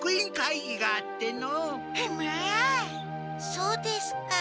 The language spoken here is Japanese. そうですか。